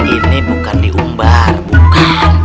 ini bukan diumbar bukan